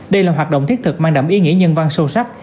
đây là hoạt động thiết thực mang đậm ý nghĩa nhân văn sâu sắc